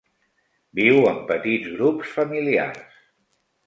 Viu en petits grups familiars.